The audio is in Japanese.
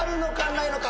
ないのか？